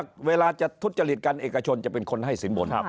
เพราะว่าเวลาจะทุจจริตกันเอกชนจะเป็นคนให้สินบนครับ